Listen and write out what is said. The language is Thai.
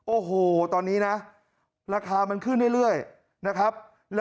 โอ้โหตอนนี้นะราคามันขึ้นเรื่อยนะครับ